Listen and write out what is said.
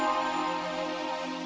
gak ada yang pilih